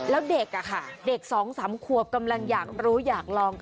แล้วเด็กอะค่ะเด็ก๒๓ขวบกำลังอยากรู้อยากลอง